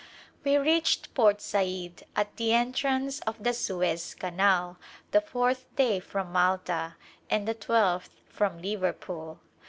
We reached Port Said at the entrance of the Suez Canal the fourth day from Malta and the twelfth from Liverpool.